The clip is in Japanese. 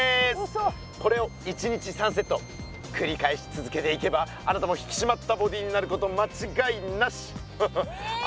これを１日３セットくり返しつづけていけばあなたも引きしまったボディーになることまちがいなし！えむり！